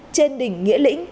trên đỉnh nghĩa lĩnh